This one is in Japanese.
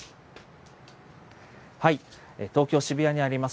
東京・渋谷にあります